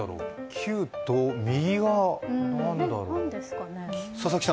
９と右が何だろう？